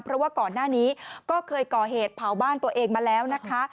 เพราะว่าก่อนหน้านี้ก็เคยก่อเหตุเผาบ้านตัวเองมาแล้วนะคะ